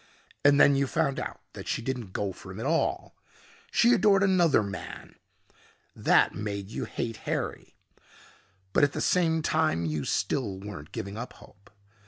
And then you found out that she didn't go for him at all. She adored another man. That made you hate Harry. But at the same time you still weren't giving up hope.